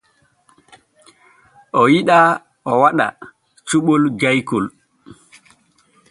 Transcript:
O yiɗaa o waɗa cuɓol jaykol.